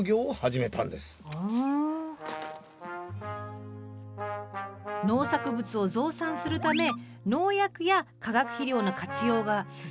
スタジオ農作物を増産するため農薬や化学肥料の活用が進んだ時代。